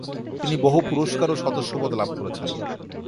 তিনি বহু পুরস্কার ও সদস্য পদ লাভ করেছেন।